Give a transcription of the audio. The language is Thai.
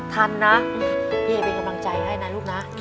ทันนะพี่เอเป็นกำลังใจให้นะลูกนะ